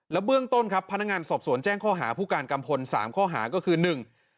และเบื้องต้นครับพนักงานสอบสวนแจ้งข้อหาผู้การกำพล๓ข้อหาก็คือ